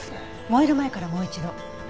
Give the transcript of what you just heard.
燃える前からもう一度。